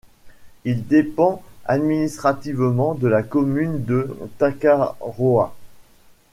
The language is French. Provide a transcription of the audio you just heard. Il dépend administrativement de la commune de Takaroa.